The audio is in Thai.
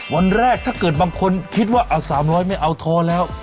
วันแรกถ้าเกิดบางคนคิดว่า๓๐๐ไม่เอาท้อแล้ว